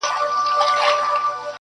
غټ منګول تېره مشوکه په کارېږي!٫.